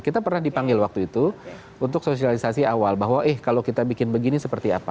kita pernah dipanggil waktu itu untuk sosialisasi awal bahwa eh kalau kita bikin begini seperti apa